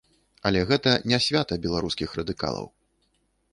Але гэта не свята беларускіх радыкалаў.